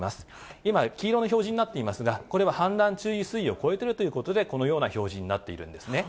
今、黄色の表示になっていますが、これは氾濫注意水位を超えてるということで、このような表示になっているんですね。